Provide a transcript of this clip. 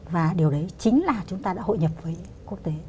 và điều đấy chính là chúng ta đã hội nhập với quốc tế